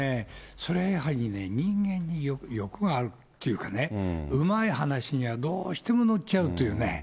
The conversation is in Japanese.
それはやはりね、人間に欲があるっていうかね、うまい話にはどうしてものっちゃうというね。